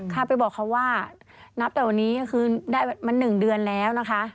ค่ะไปบอกเขาว่านับแต่วันนี้ก็คือได้มา๑เดือนแล้วนะคะ